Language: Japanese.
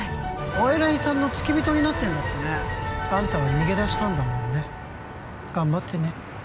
お偉いさんの付き人になってんだってねあんたは逃げ出したんだもんね頑張ってね